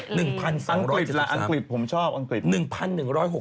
ชิลีอังกฤษละอังกฤษผมชอบอังกฤษ